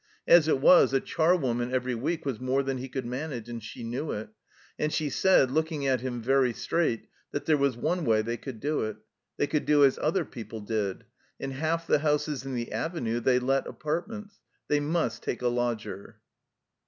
As it was, a char woman every week was more than he could manage, and she knew it. And she said, looking at him very 179 THE COMBINED MAZE straight, that there was one way they could do it. They could do as other people did. In half the houses in the Avenue they let apartments. They must take a lodger.